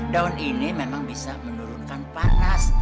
daun ini memang bisa menurunkan panas